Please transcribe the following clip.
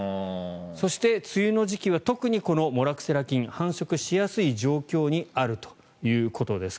そして、梅雨の時期は特にこのモラクセラ菌が繁殖しやすい状況にあるということです。